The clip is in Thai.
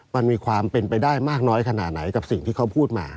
มันมีความเป็นไปได้มากน้อยขนาดไหนกับสิ่งที่เขาพูดมา